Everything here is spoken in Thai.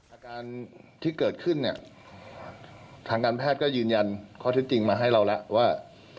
อาการที่เกิดขึ้นเนี่ยทางการแพทย์ก็ยืนยันข้อเท็จจริงมาให้เราแล้วว่า